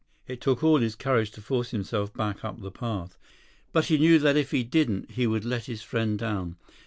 It took all his courage to force himself back up the path. But he knew that if he didn't, he would let his friend down.